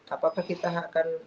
apakah kita akan